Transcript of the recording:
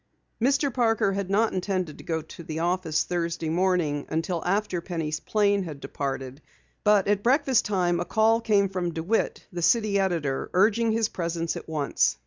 Mr. Parker had not intended to go to the office Thursday morning until after Penny's plane had departed, but at breakfast time a call came from DeWitt, the city editor, urging his presence at once.